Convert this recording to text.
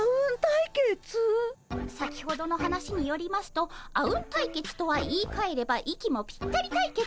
先ほどの話によりますとあうん対決とは言いかえれば息もぴったり対決のこと。